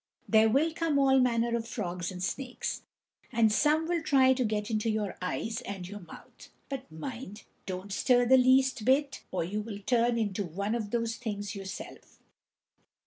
There will come all manner of frogs and snakes, and some will try to get into your eyes and your mouth, but mind, don't stir the least bit or you will turn into one of those things yourself."